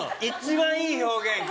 一番いい表現